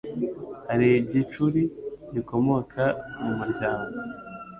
Hari igicuri gikomoka mu muryango